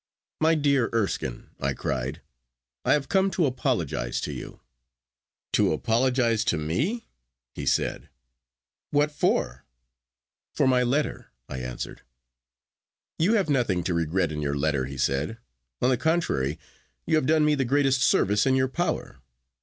'My dear Erskine!' I cried, 'I have come to apologise to you.' 'To apologise to me?' he said. 'What for?' 'For my letter,' I answered. 'You have nothing to regret in your letter,' he said. 'On the contrary, you have done me the greatest service in your power.